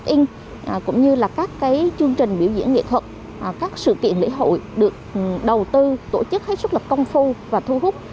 các cái check in cũng như là các cái chương trình biểu diễn nghệ thuật các sự kiện lễ hội được đầu tư tổ chức hay xuất lập công phu và thu hút